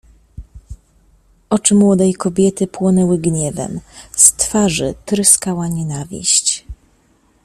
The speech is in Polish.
"Oczy młodej kobiety płonęły gniewem, z twarzy tryskała nienawiść."